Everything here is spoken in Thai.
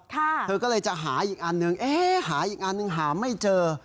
เธอก็เลยจะหาอีกอันนึงเอ๊ะหาอีกอันนึงหาไม่เจอ